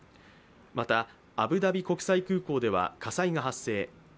またアブダビ国際空港では火災が発生。